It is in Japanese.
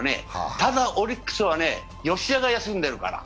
ただオリックスは吉田が休んでるから。